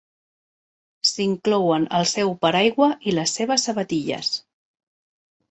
S'inclouen el seu paraigua i les seves sabatilles.